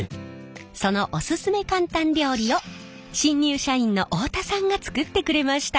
そのオススメ簡単料理を新入社員の大田さんが作ってくれました。